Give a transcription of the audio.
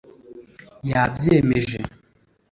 yabyemeje